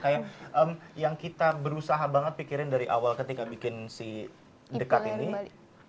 kayak yang kita berusaha banget pikirin dari awal ketika bikin si dekat ini